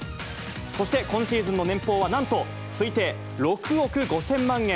そして今シーズンの年俸はなんと推定６億５０００万円。